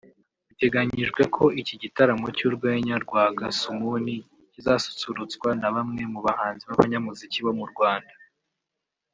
Biteganyijwe ko iki gitaramo cy’urwenya rwa Gasumuni kizasusurutswa na bamwe mu bahanzi b’abanyamuziki bo mu Rwanda